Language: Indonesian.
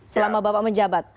selama bapak menjabat